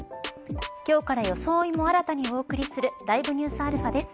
今日から装いも新たにお送りするＬｉｖｅＮｅｗｓαです。